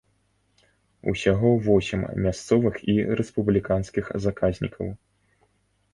Усяго восем мясцовых і рэспубліканскіх заказнікаў.